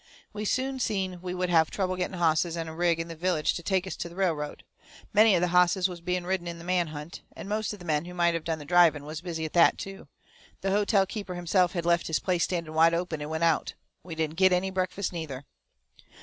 We soon seen we would have trouble getting hosses and a rig in the village to take us to the railroad. Many of the hosses was being ridden in the man hunt. And most of the men who might have done the driving was busy at that too. The hotel keeper himself had left his place standing wide open and went out. We didn't get any breakfast neither.